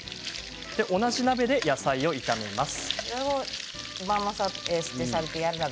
同じ鍋で野菜を炒めます。